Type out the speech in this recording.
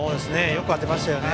よく当てましたよね。